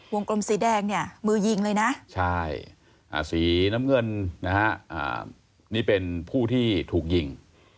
กลมสีแดงเนี่ยมือยิงเลยนะใช่สีน้ำเงินนะฮะนี่เป็นผู้ที่ถูกยิง